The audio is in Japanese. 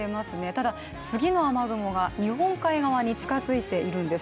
ただ次の雨雲が日本海側に近づいているんです。